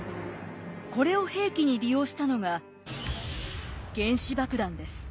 これを兵器に利用したのが原子爆弾です。